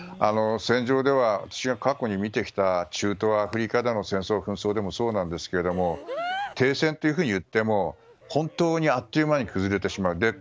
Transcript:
戦場では、私が過去に見てきた中東、アフリカでの戦争もそうなんですけど停戦というふうにいっても本当にあっという間に崩れてしまう。